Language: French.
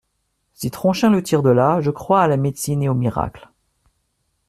Si Tronchin le tire de là, je crois à la médecine et aux miracles.